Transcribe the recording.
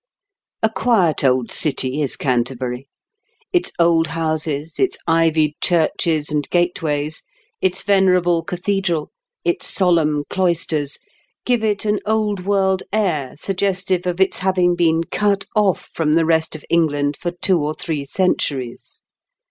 A quiet old city is Canterbury. Its old houses, its ivied churches and gateways, its venerable cathedral, its solemn cloisters, give it an old world air suggestive of its having been cut off from the rest of England for two or 182 nr KENT WITH 0HAELE8 DICKENS. three centuries.